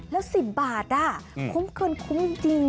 แล้ว๑๐บาทขุมเบิร์นขุมจริง